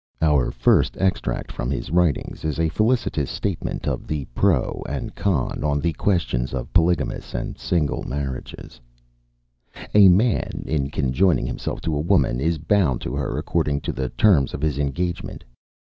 Our first extract from his writings is a felicitous statement of the pro and con., on the questions of polygamous and single, marriages: "A man, in conjoining himself to a woman, is bound to her according to the terms of his engagement.